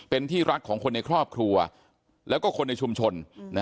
เป็นที่รักของคนในครอบครัวแล้วก็คนในชุมชน